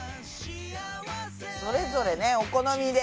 それぞれねお好みで。